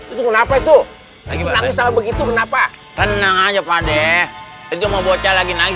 itu kenapa itu lagi mau begitu kenapa renang aja pade itu mau bocah lagi nangis